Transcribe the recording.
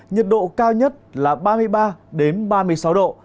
nhiệt độ cao nhất là ba mươi ba ba mươi sáu độ